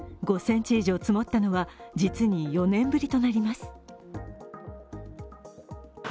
５ｃｍ以上積もったのは実に４年ぶりとなります。